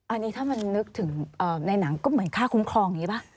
อันนี้ถ้ามันนึกถึงในหนังก็เหมือนค่าคุ้มครองอย่างนี้ป่ะ